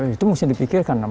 itu mesti dipikirkan